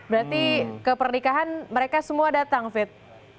berarti kepernikahan mereka semua datang fit